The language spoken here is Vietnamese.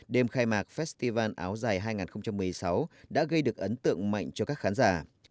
đêm khai mạc festival áo dài hai nghìn một mươi sáu đã gây được ấn tượng mạnh cho các khán giả